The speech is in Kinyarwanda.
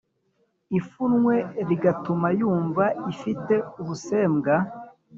ipfunwe rigatuma yumva ifite ubusembwa